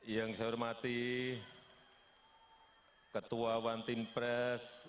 yang saya hormati ketua wantin press